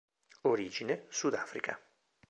Origine: Sud Africa.